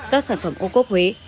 các sản phẩm ô cốt huế